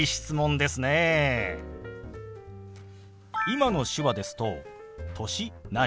今の手話ですと「歳何？」